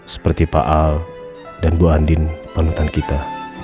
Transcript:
seperti pak al dan bu andin panutan kita